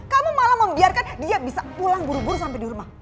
kamu malah membiarkan dia bisa pulang buru buru sampai di rumah